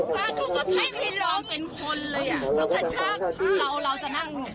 ถ้าถูกกับไทยไม่ต้องเป็นคนเลยเราจะนั่งปากหลังอยู่ตรงนี้